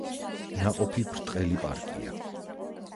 ნაყოფი ბრტყელი პარკია.